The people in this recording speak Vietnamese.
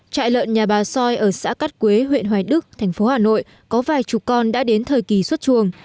trại lợn nhà bà soi ở xã cắt quế huyện hoài đức thành phố hà nội có vài chục con đã đến thời kỳ xuất chuồng